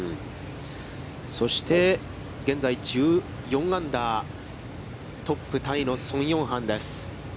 そして、現在１４アンダートップタイの宋永漢です。